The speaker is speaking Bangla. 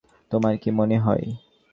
তোমার কি মনে হয়?